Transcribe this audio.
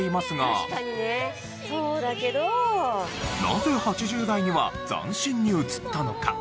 なぜ８０代には斬新に映ったのか？